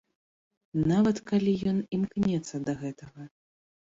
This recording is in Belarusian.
Нават калі ён імкнецца да гэтага.